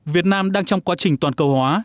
việt nam đang trong quá trình toàn cầu hóa